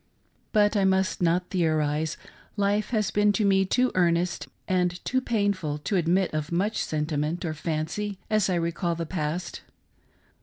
But I must not theorise : life has been to me too earnest and too painful to admit of much sentiment or fancy as I re call the past.